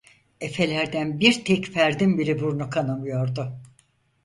Efelerden bir tek ferdin bile burnu kanamıyordu.